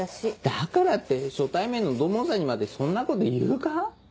だからって初対面の土門さんにまでそんなこと言うか？